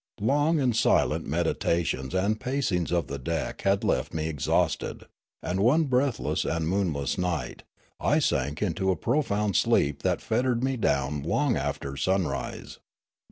Long and silent meditations and pacings of the deck had left me ex hausted, and one breathless and moonless night I sank into a profound sleep that fettered me down long after sunrise.